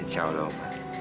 insya allah oma